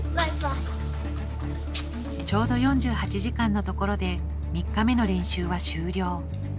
ちょうど４８時間のところで３日目の練習は終了。